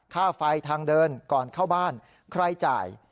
ค่าไฟทางเดินก่อนเข้าบ้านใครจ่าย